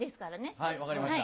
はい分かりました。